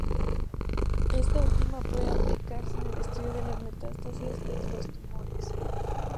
Esta última puede aplicarse en el estudio de las metástasis de los tumores.